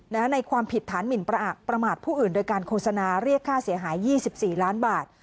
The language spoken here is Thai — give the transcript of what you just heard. และในความผิดฐานหมิ่นประอักษ์ประมาทผู้อื่นโดยการโฆษณาเรียกค่าเสียหายยี่สิบสี่ล้านบาท